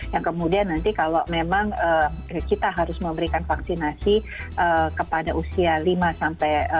yang kemudian nanti kalau memang kita harus memberikan vaksinasi kepada usia lima sampai